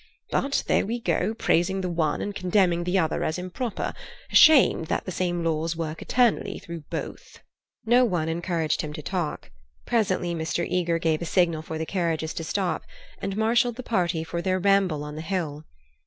But there we go, praising the one and condemning the other as improper, ashamed that the same laws work eternally through both." No one encouraged him to talk. Presently Mr. Eager gave a signal for the carriages to stop and marshalled the party for their ramble on the hill.